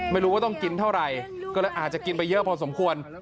ไม่รู้ว่าต้องกินเท่าไหร่ก็เลยอาจจะกินไปเยอะพอสมควร